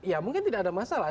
ya mungkin tidak ada masalah